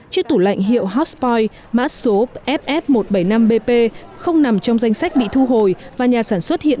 chiếc tủ lạnh hiệu hospoin mã số ff một trăm bảy mươi năm bp không nằm trong danh sách bị thu hồi và nhà sản xuất hiện